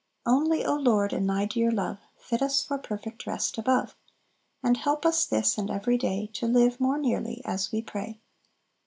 "Only, O Lord, in Thy dear love Fit us for perfect rest above; And help us, this and every day, To live more nearly as we pray."